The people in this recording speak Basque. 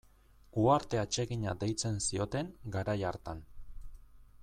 Uharte atsegina deitzen zioten garai hartan.